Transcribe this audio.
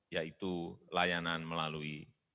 yaitu layanan melalui